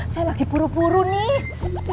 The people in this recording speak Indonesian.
saya lagi puru puru nih